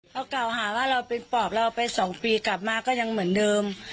เขากล่าวหาว่าเราเป็นปอบเราไป๒ปีกลับมาก็ยังเหมือนเดิม